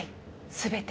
全て。